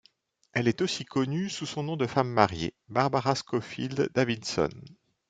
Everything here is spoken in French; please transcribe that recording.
Elle est aussi connue sous son nom de femme mariée, Barbara Scofield-Davidson.